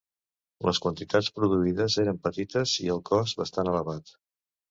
Les quantitats produïdes eren petites i el cost bastant elevat.